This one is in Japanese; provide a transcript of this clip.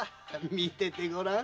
見ててごらん。